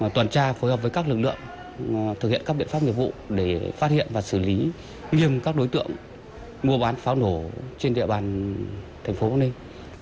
toàn tra phối hợp với các lực lượng thực hiện các biện pháp nghiệp vụ để phát hiện và xử lý nghiêm các đối tượng mua bán pháo nổ trên địa bàn thành phố bắc ninh